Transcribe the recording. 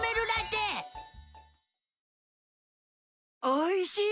おいしい！